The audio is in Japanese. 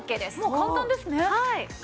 簡単ですね。